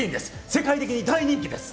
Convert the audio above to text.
世界的に大人気です。